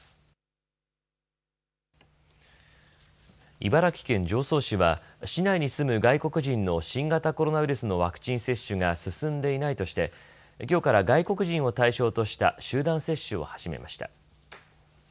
茨城県常総市は市内に住む外国人の新型コロナウイルスのワクチン接種が進んでいないとしてきょうから外国人を対象とした集団接種を始めました。